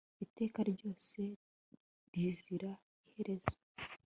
iteka ryose rizira iherezo